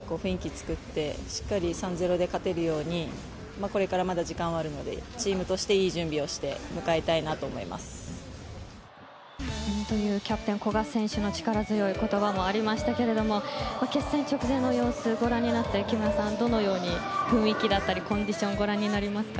ペルー戦が初戦になるのでしっかりみんなで声を出して雰囲気作ってしっかり３−０で勝てるようにこれから時間はあるのでチームとしていい準備をしてキャプテン、古賀選手の力強い言葉もありましたが決戦直前の様子をご覧になって木村さん、どのように雰囲気だったりコンディションをご覧になりますか？